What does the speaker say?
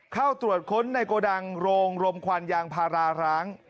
เข้าตรวจค้นในโกดังโรงรมควันยางพาราร้าง